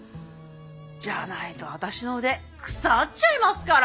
じゃないと私の腕腐っちゃいますから。